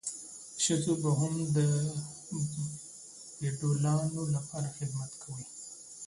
ښځو به هم د فیوډالانو لپاره خدمت کاوه.